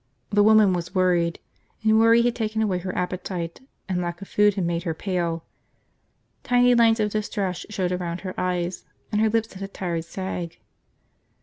The woman was worried, and worry had taken away her appetite, and lack of food had made her pale. Tiny lines of distress showed around her eyes and her lips had a tired sag.